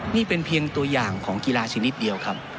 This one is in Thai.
นี่เป็นเพียงตัวอย่างของกีฬาชนิดเดียวครับ